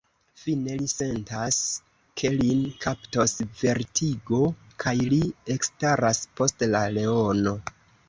Fine li sentas, ke lin kaptos vertigo, kaj li ekstaras post la leono.